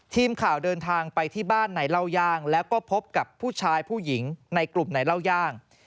ทีมข่าวเดินทางไปที่บ้านในเล่าย่างแล้วก็พบกับผู้ชายผู้หญิงในกลุ่มไหนเล่าย่าง